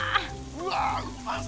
うわうまそ。